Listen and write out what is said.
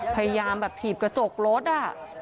พยายามแบบถีบกระจกรถอ่ะ